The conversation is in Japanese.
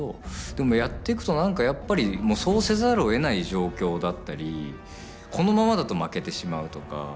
でもやっていくと何かやっぱりもうそうせざるをえない状況だったりこのままだと負けてしまうとか。